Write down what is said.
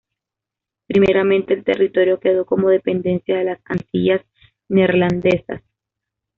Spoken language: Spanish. Primeramente el territorio quedó como dependencia de las Antillas Neerlandesas.